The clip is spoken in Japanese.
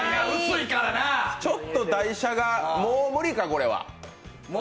ちょっと台車が、もう無理か、これは。